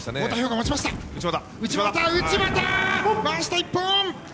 回した一本！